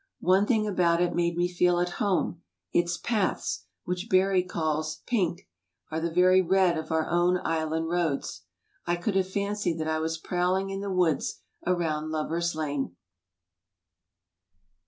One thing about it made me feel at home, its paths, which Barrie calls 'pink,' are the very red of of our own island roads. I could have fancied that I was prowling in the woods around Lovers' Lane.